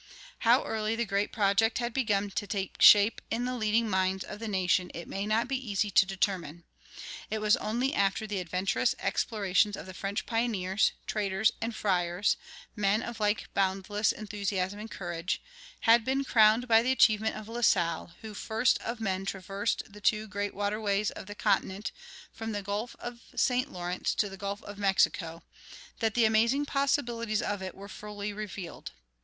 How early the great project had begun to take shape in the leading minds of the nation it may not be easy to determine. It was only after the adventurous explorations of the French pioneers, traders, and friars men of like boundless enthusiasm and courage had been crowned by the achievement of La Salle, who first of men traversed the two great waterways of the continent from the Gulf of St. Lawrence to the Gulf of Mexico, that the amazing possibilities of it were fully revealed.